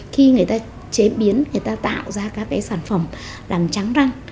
khi người ta chế biến người ta tạo ra các cái sản phẩm làm trắng răng